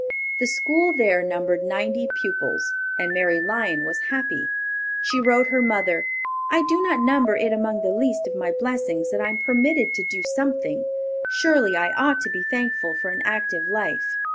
The school there numbered ninety pupils, and Mary Lyon was happy. She wrote her mother, "I do not number it among the least of my blessings that I am permitted to do something. Surely I ought to be thankful for an active life."